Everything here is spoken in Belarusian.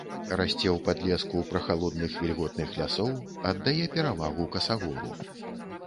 Расце ў падлеску прахалодных вільготных лясоў, аддае перавагу касагору.